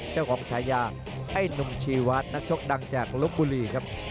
เจ้าของชายาไอ้นุ่มชีวัตรนักชกดังจากรบบุรีครับ